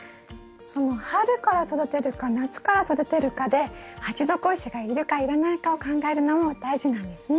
その春から育てるか夏から育てるかで鉢底石がいるかいらないかを考えるのも大事なんですね。